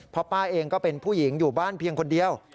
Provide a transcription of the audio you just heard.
เพราะป้าเองก็เป็นผู้หญิงอยู่บ้านเพียงคนเดียว